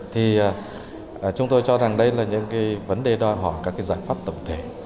thì chúng tôi cho rằng đây là những cái vấn đề đòi hỏi các cái giải pháp tổng thể